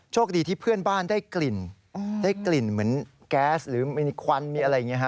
คดีที่เพื่อนบ้านได้กลิ่นได้กลิ่นเหมือนแก๊สหรือมีควันมีอะไรอย่างนี้ฮะ